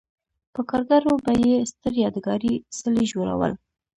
په کارګرو به یې ستر یادګاري څلي جوړول.